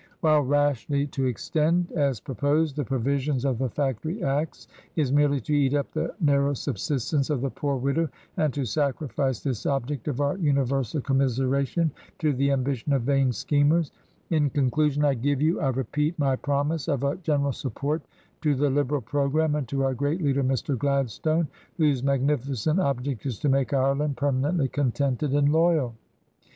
While rashly to extend, as proposed, the provisions of the Factory Acts, is merely to eat up the narrow subsistence of the Poor Widow and to sacrifice this object of our universal commiseration to the ambition of vain schemers. In conclusion, I give you, I repeat, my promise of a general support to the 2i6 TRANSITION. Liberal Programme, and to our great leader, Mr. Glad stone, whose magnificent object is to make Ireland per manently contented and loyal."